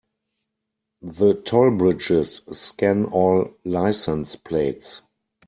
The toll bridges scan all license plates.